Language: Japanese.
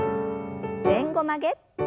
前後曲げ。